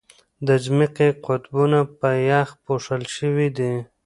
د ځمکې قطبونه په یخ پوښل شوي دي.